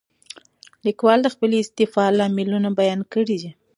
لیکوال د خپلې استعفا لاملونه بیان کړي دي.